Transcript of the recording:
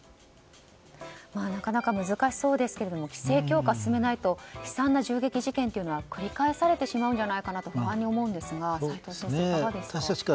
なかなか難しそうですけども規制強化進めないと悲惨な銃撃事件というのは繰り返されてしまうんじゃないかと不安に思うんですが齋藤先生、いかがですか。